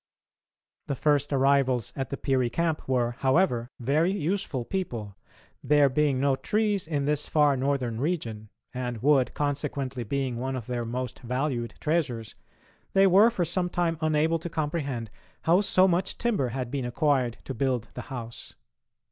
The first arrivals at the Peary camp were, however, very useful people. There being no trees in this far northern region, and wood, consequently, being one of their most valued treasures, they were for some time unable to comprehend how so much timber had been acquired to build the house.